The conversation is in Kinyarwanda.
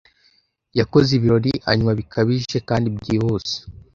'Yakoze ibirori, anywa bikabije kandi byihuse,